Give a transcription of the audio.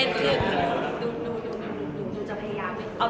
เอาจริงเรื่องความรักมันไม่มีใครโง่ไม่มีใครชะละค่ะ